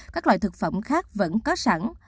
các loại thực phẩm khác vẫn có sẵn